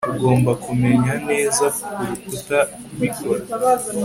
Ugomba kumenya neza kuruta kubikora